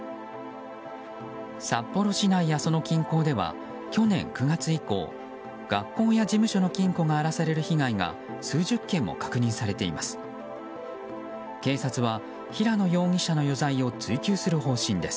札幌市内や、その近郊では去年９月以降学校や事務所の金庫が荒らされる被害が数十件も確認されています。